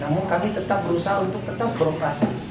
namun kami tetap berusaha untuk tetap beroperasi